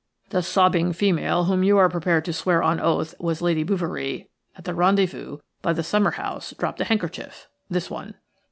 The sobbing female whom you are prepared to swear on oath was Lady Bouverie at the rendezvous by the summer house dropped a handkerchief – this one."